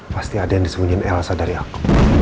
pasti ada yang disembunyiin elsa dari aku